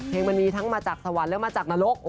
มันมีทั้งมาจากสวรรค์แล้วมาจากนรก